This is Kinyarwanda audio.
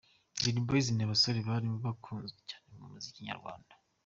Dream Boys ni abasore bari mu bakunzwe cyane mu muziki nyarwanda.